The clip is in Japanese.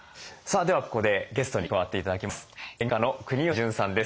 ではここでゲストに加わって頂きます。